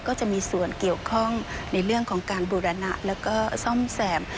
ก็จะมีส่วนเกี่ยวข้องในเรื่องของการบูรณะแล้วก็ซ่อมแซม